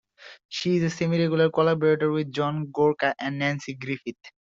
She is a semi-regular collaborator with John Gorka and Nanci Griffith.